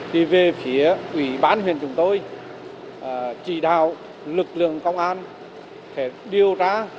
tuy về phía quỷ bán huyền chúng tôi chỉ đạo lực lượng công an phải điều tra